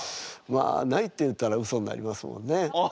まあないって言ったらウソになりますもんね。